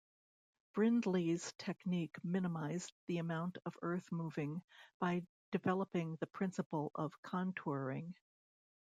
Brindley's technique minimised the amount of earth moving by developing the principle of contouring.